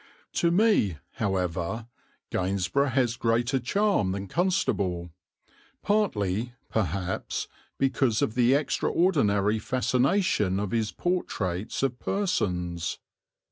To me, however, Gainsborough has greater charm than Constable, partly, perhaps, because of the extraordinary fascination of his portraits of persons.